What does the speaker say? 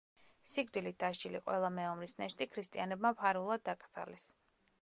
სიკვდილით დასჯილი ყველა მეომრის ნეშტი ქრისტიანებმა ფარულად დაკრძალეს.